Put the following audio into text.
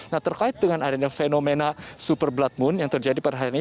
nah terkait dengan adanya fenomena super blood moon yang terjadi pada hari ini